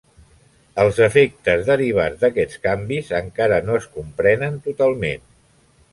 Els efectes derivats d'aquests canvis encara no es comprenen totalment.